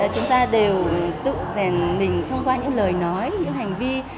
chúng ta đều tự rèn mình thông qua những lời nói những hành vi